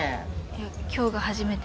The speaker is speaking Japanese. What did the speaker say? いや今日が初めてで。